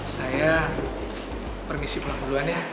saya permisi pulang duluan ya